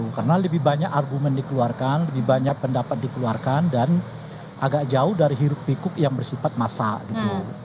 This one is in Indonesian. karena lebih banyak argumen dikeluarkan lebih banyak pendapat dikeluarkan dan agak jauh dari hirup pikuk yang bersifat massa gitu